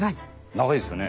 長いですよね。